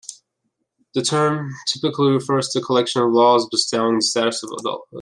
The term typically refers to a collection of laws bestowing the status of adulthood.